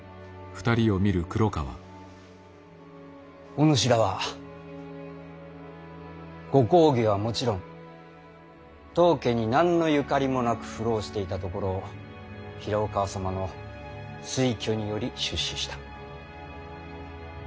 お主らはご公儀はもちろん当家に何のゆかりもなく浮浪していたところを平岡様の推挙により出仕した。